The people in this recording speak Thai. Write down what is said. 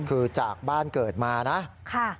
คือจากบ้านเกิดมานะ